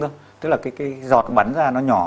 tức là cái giọt bắn ra nó nhỏ